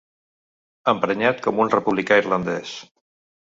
Emprenyat com un republicà irlandès.